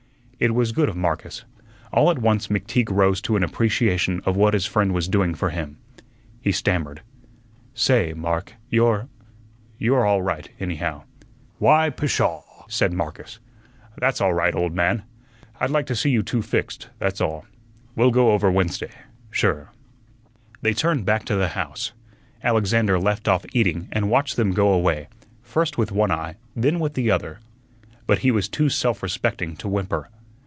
It was good of Marcus. All at once McTeague rose to an appreciation of what his friend was doing for him. He stammered: "Say, Mark you're you're all right, anyhow." "Why, pshaw!" said Marcus. "That's all right, old man. I'd like to see you two fixed, that's all. We'll go over Wednesday, sure." They turned back to the house. Alexander left off eating and watched them go away, first with one eye, then with the other. But he was too self respecting to whimper.